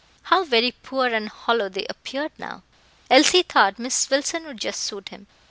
How very poor and hollow they appeared now! Elsie thought Miss Wilson would just suit him.